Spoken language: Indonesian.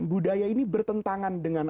budaya ini bertentangan dengan